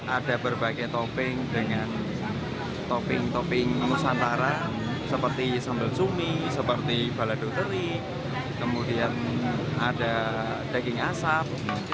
ada berbagai topping dengan topping topping nusantara seperti sambal cumi seperti balado terik kemudian ada daging asap